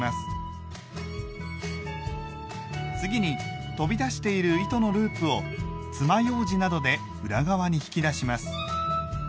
次に飛び出している糸のループをつまようじなどで裏側に引き出します。